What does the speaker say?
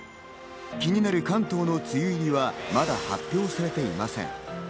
気になる関東の梅雨入りは、まだ発表されていません。